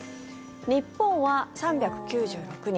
日本は３９６人